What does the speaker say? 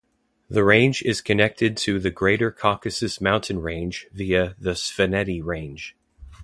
The Range is connected to the Greater Caucasus Mountain Range via the Svaneti Range.